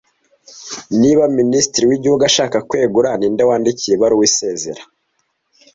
Niba Minisitiri w’igihugu ashaka kwegura, ni nde yandikira ibaruwa isezera